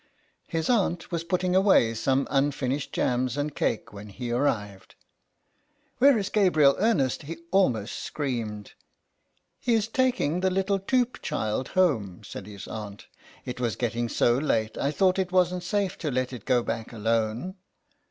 His aunt was putting away some unfinished jams and cake when he arrived. " Where is Gabriel Ernest ?" he almost screamed. " He is taking the little Toop child home," said his aunt. " It was getting so late, I thought it wasn't safe to let it go back alone.